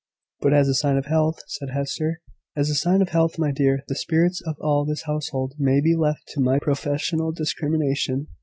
'" "But, as a sign of health " said Hester. "As a sign of health, my dear, the spirits of all this household may be left to my professional discrimination.